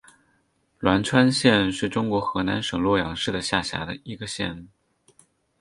栾川县是中国河南省洛阳市的下辖一个县。